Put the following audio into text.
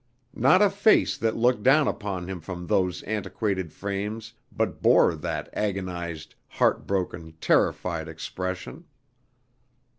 Not a face that looked down upon him from those antiquated frames but bore that agonized, heart broken, terrified expression.